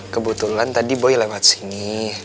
kebetulan tadi boy lewat sini